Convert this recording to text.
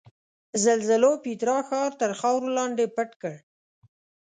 زلزلو پیترا ښار تر خاورو لاندې پټ کړ.